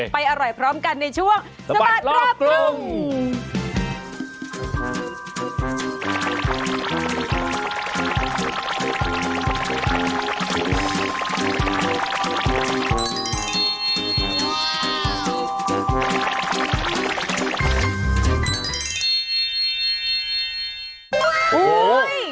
อร่อยพร้อมกันในช่วงสะบัดรอบกรุง